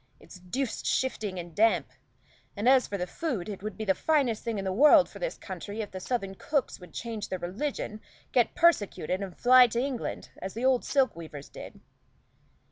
It's deuced shifting and damp; and as for the food, it would be the finest thing in the world for this country if the southern cooks would change their religion, get persecuted, and fly to England, as the old silk weavers did."